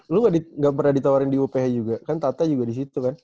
lu gak pernah ditawarin di uph juga kan tata juga di situ kan